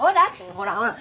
ほらほら